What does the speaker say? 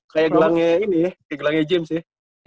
kayak gelangnya ini ya kayak gelangnya james ya